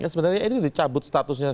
sebenarnya ini dicabut statusnya